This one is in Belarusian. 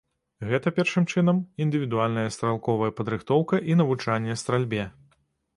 Гэта, першым чынам, індывідуальная стралковая падрыхтоўка і навучанне стральбе.